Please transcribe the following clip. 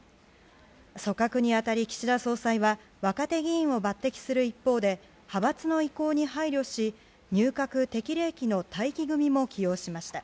組閣に当たり岸田総裁は若手議員を抜擢する一方で派閥の意向に配慮し入閣適齢期の待機組も起用しました。